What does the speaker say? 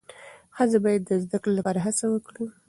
ښځې باید د زدهکړې لپاره هڅه وکړي.